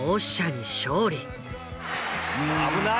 危ない。